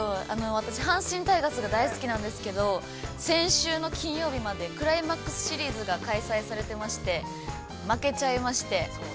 私、阪神タイガースが大好きなんですけれども、先週の金曜日までクライマックスシリーズが開催されてまして、負けちゃいまして。